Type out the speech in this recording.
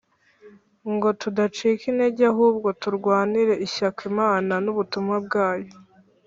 ngo tudacika intege ahubwo turwanire ishyaka Imana n ubutumwa bwayo